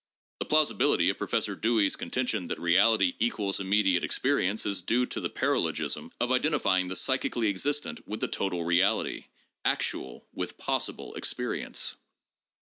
The plausibility of Professor Dewey's con tention that reality = immediate experience is due to the paralogism of identifying the psychically existent with the total reality, 'ac tual' with 'possible' experience.